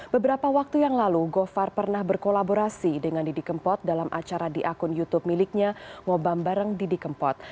beberapa waktu yang lalu gofar pernah berkolaborasi dengan didi kempot dalam acara di akun youtube miliknya ngobam bareng didi kempot